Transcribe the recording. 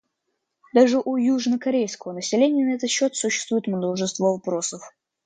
Даже у южнокорейского населения на этот счет существует множество вопросов.